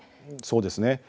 そうですね。